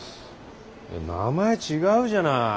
名前違うじゃない。